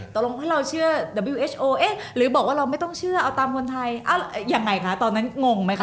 ตกลงถ้าเราเชื่อเอ๊ะหรือบอกว่าเราไม่ต้องเชื่อเอาตามคนไทยเอ้าอย่างไงคะตอนนั้นงงไหมคะ